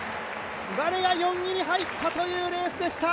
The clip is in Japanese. ワレが４位に入ったというレースでした。